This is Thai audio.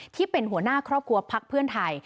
ที่เป็นหัวหน้าครอบครัวพักเพื่อไทย